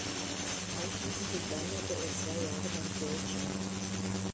Anschließend durchwanderte er zwei Jahre lang Deutschland.